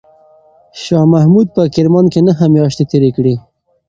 شاه محمود په کرمان کې نهه میاشتې تېرې کړې.